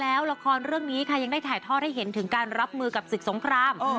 แล้วละครเรื่องนี้ค่ะยังได้ถ่ายทอดให้เห็นถึงการรับมือกับศึกสงคราม